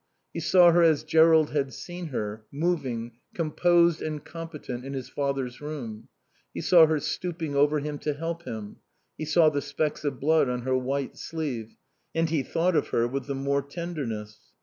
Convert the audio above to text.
He saw her as Jerrold had seen her, moving, composed and competent, in his father's room; he saw her stooping over him to help him, he saw the specks of blood on her white sleeve; and he thought of her with the more tenderness.